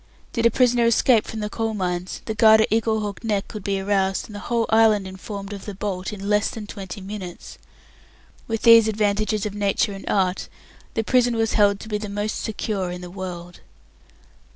Did a prisoner escape from the Coal Mines, the guard at Eaglehawk Neck could be aroused, and the whole island informed of the "bolt" in less than twenty minutes. With these advantages of nature and art, the prison was held to be the most secure in the world.